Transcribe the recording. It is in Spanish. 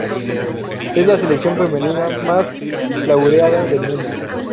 Es la selección femenina más laureada del mundo.